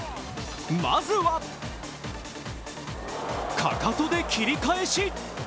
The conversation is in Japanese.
まずはかかとで切り返し。